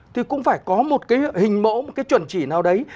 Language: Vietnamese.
thì cũng phải có một cái hình mẫu một cái chuẩn chỉ nào đấy